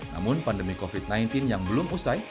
namun pandemi covid sembilan belas yang belum usai